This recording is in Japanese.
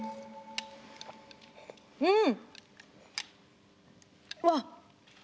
うん！